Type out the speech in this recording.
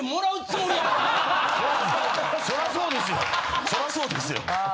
そらそうですよ。